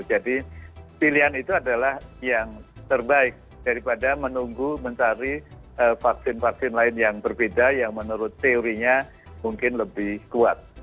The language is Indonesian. jadi pilihan itu adalah yang terbaik daripada menunggu mencari vaksin vaksin lain yang berbeda yang menurut teorinya mungkin lebih kuat